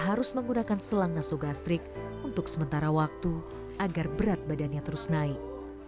harus menggunakan selang nasogastrik untuk sementara waktu agar berat badannya terus naik